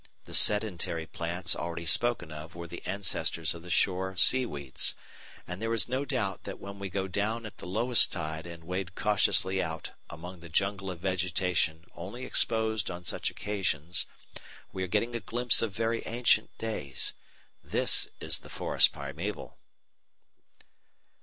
The sedentary plants already spoken of were the ancestors of the shore seaweeds, and there is no doubt that when we go down at the lowest tide and wade cautiously out among the jungle of vegetation only exposed on such occasions we are getting a glimpse of very ancient days. This is the forest primeval.